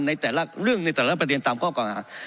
ในแต่ละเรื่องในแต่ละประเด็นตามข้อเก่าหา